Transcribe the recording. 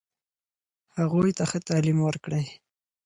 هغوی ته ښه تعلیم ورکړئ.